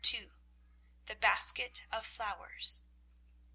THE BASKET OF FLOWERS.